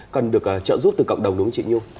cần được trợ giúp từ cộng đồng đúng không chị nhung